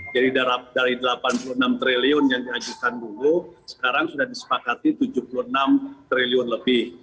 jadi dari delapan puluh enam triliun yang diajukan dulu sekarang sudah disepakati tujuh puluh enam triliun lebih